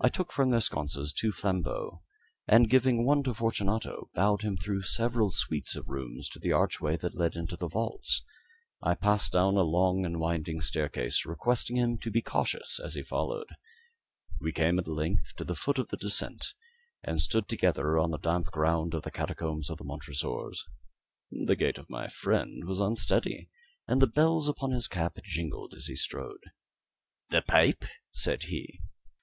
I took from their sconces two flambeaux, and giving one to Fortunato, bowed him through several suites of rooms to the archway that led into the vaults. I passed down a long and winding staircase, requesting him to be cautious as he followed. We came at length to the foot of the descent, and stood together on the damp ground of the catacombs of the Montresors. The gait of my friend was unsteady, and the bells upon his cap jingled as he strode. "The pipe," said he.